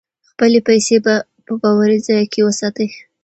خپلې پیسې په باوري ځای کې وساتئ.